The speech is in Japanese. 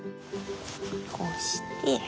こうして。